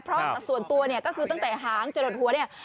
เพราะส่วนตัวเนี่ยก็คือตั้งแต่หางจะหลดหัวเนี่ย